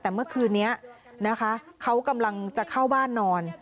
แต่เมื่อคืนนี้นะคะเขากำลังจะเข้าบ้านนอน